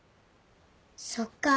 そっか。